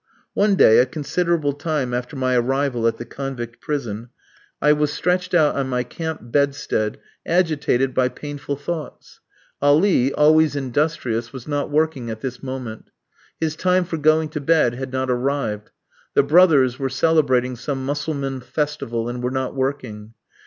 One day, a considerable time after my arrival at the convict prison, I was stretched out on my camp bedstead agitated by painful thoughts. Ali, always industrious, was not working at this moment. His time for going to bed had not arrived. The brothers were celebrating some Mussulman festival, and were not working.